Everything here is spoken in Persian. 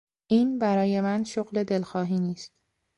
این برای من شغل دلخواهی نیست.